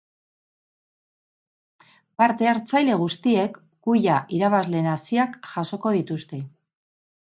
Parte-hartzaile guztiek kuia irabazleen haziak jasoko dituzte.